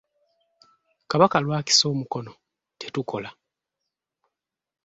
Kabaka lw’akisa omukono tetukola.